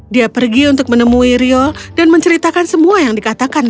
dia pergi untuk menemui rio dan menceritakan semua yang dikatakan